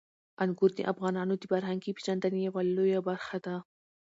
انګور د افغانانو د فرهنګي پیژندنې یوه لویه برخه ده.